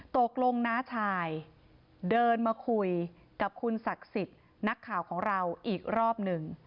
ตกลงน้าชายเดินมาคุยกับคุณศักดิ์สิทธิ์นักข่าวของเราอีกรอบหนึ่ง